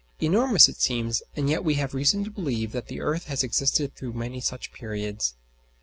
Enormous it seems; and yet we have reason to believe that the earth has existed through many such periods.